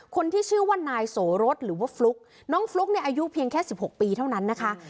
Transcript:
คนที่ชื่อว่านายโสรสหรือว่าฟลุ๊กน้องฟลุ๊กเนี่ยอายุเพียงแค่๑๖ปีเท่านั้นนะคะ